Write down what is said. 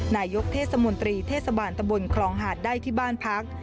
นายกเทศมนตรีเทศบาลตะบนครองหาดได้ที่บ้านพัก